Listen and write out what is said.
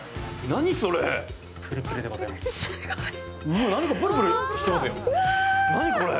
何それ。